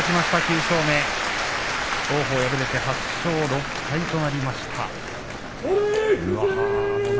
王鵬は敗れて８勝６敗となりました。